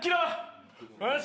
よし。